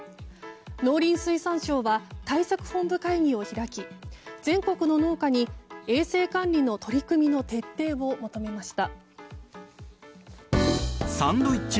農林水産省は対策本部会議を開き全国の農家に衛生管理の取り組みの徹底を求めました。